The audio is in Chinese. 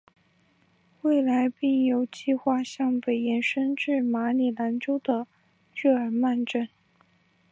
未来并有计画向北延伸至马里兰州的日耳曼镇。